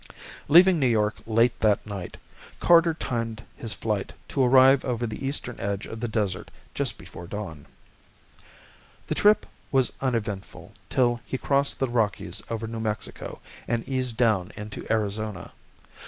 Leaving New York late that night, Carter timed his flight to arrive over the eastern edge of the desert just before dawn. The trip was uneventful till he crossed the Rockies over New Mexico and eased down into Arizona.